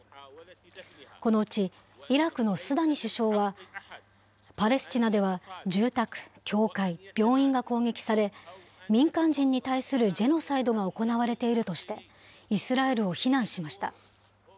このうち、イラクのスダニ首相は、パレスチナでは住宅、教会、病院が攻撃され、民間人に対するジェノサイドが行われているとして、イスラエルを非難しました。